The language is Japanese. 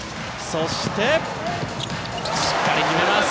そして、しっかり決めます